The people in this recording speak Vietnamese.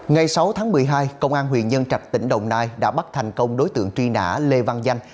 ngày sáu tháng một mươi hai công an huyện nhân trạch tỉnh đồng nai đã bắt thành công đối tượng truy nã lê văn danh